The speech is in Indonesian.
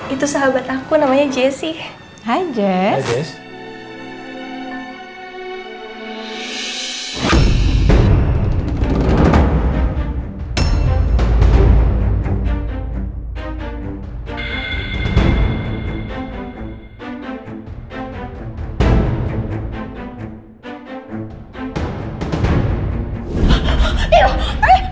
itu sahabat aku namanya jessy